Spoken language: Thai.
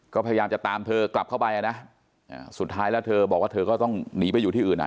ก็พยายามจะตามเธอกลับเข้าไปอ่ะนะสุดท้ายแล้วเธอบอกว่าเธอก็ต้องหนีไปอยู่ที่อื่นอ่ะ